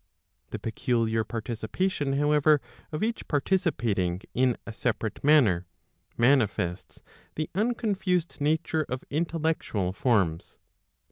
The peculiar participation however of each participating in a separate manner, mani¬ fests the unconfused nature of intellectual forms.